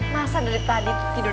masa dari tadi tidur